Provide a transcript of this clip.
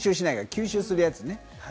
吸収するやつね。